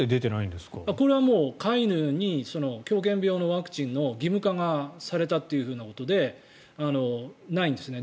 これは飼い犬に狂犬病のワクチンの義務化がされたということでないんですね。